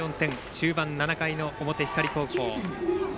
終盤、７回の表、光高校。